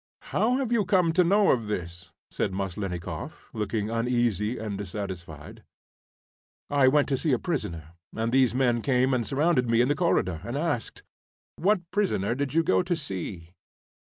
"How have you come to know of this?" said Maslennikoff, looking uneasy and dissatisfied. "I went to see a prisoner, and these men came and surrounded me in the corridor, and asked ..." "What prisoner did you go to see?"